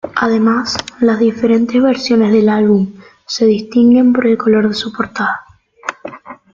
Además, las diferentes versiones del álbum se distinguen por el color de su portada.